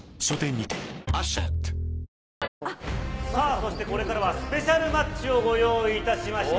そして、これからはスペシャルマッチをご用意いたしました。